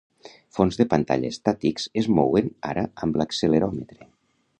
Fons de pantalla estàtics es mouen ara amb l'acceleròmetre.